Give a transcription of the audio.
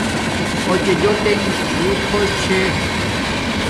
اوچے جوٹنݣ بوت خوش چحے